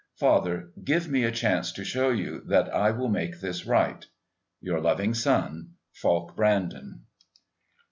Father, give me a chance to show you that I will make this right. Your loving son, FALK BRANDON.